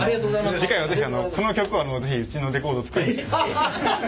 次回は是非この曲をうちのレコードを作りに。